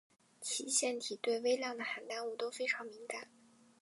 其腺体对微量的含氮物都非常敏感。